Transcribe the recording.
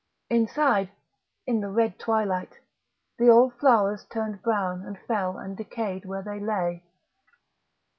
Inside, in the red twilight, the old flowers turned brown and fell and decayed where they lay.